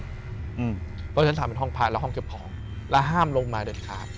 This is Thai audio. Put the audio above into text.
เพราะฉะนั้นทำเป็นห้องพักและห้องเก็บของและห้ามลงมาเด็ดขาด